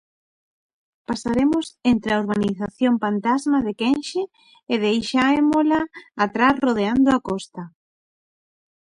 Pasaremos entre a urbanización pantasma de Quenxe e deixaémola atrás rodeando a Costa.